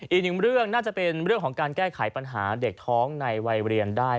อีกหนึ่งเรื่องน่าจะเป็นเรื่องของการแก้ไขปัญหาเด็กท้องในวัยเรียนได้